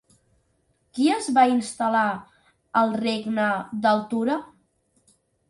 Qui es va instal·lar al regne d'Altura?